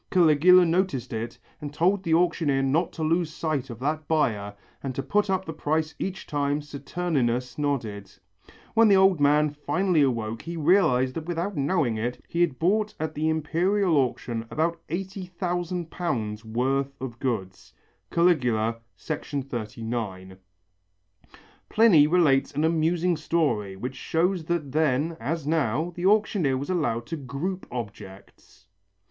Caligula noticed it, and told the auctioneer not to lose sight of that buyer and to put up the price each time Saturninus nodded. When the old man finally awoke he realized that without knowing it he had bought at the Imperial auction about £80,000 worth of goods (Cal., 39). Pliny relates an amusing story, which shows that then, as now, the auctioneer was allowed to group objects.